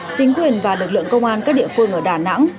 chính quyền và lực lượng công an các địa phương ở đà nẵng